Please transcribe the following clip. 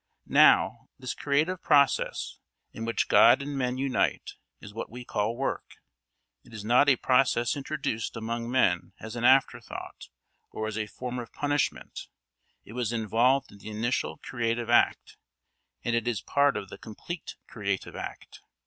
Now, this creative process, in which God and men unite, is what we call work. It is not a process introduced among men as an afterthought or as a form of punishment; it was involved in the initial creative act, and it is part of the complete creative act.